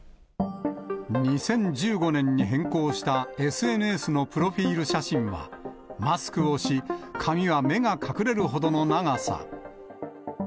２０１５年に変更したＳＮＳのプロフィール写真は、マスクをし、髪は目が隠れるほどの長さ。